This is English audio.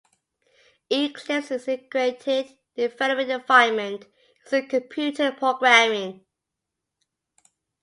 Eclipse is an integrated development environment used in computer programming.